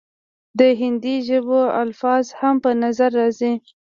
د هندي ژبو الفاظ هم پۀ نظر راځي،